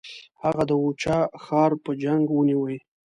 هغه د اوچه ښار په جنګ ونیوی.